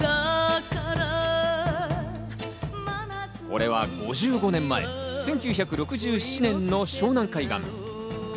これは５５年前、１９６７年の湘南海岸。